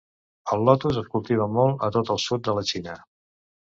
El Lotus es cultiva molt a tot el sud de la Xina.